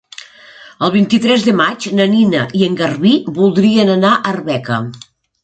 El vint-i-tres de maig na Nina i en Garbí voldrien anar a Arbeca.